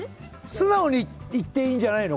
素直にいっていいんじゃないの？